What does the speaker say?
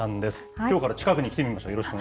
きょうから近くに来ていますね。